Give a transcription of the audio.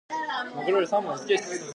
マグロよりサーモンが好きです。